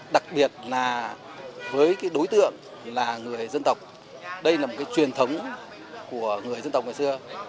đặc biệt là với cái đối tượng là người dân tộc đây là một cái truyền thống của người dân tộc ngày xưa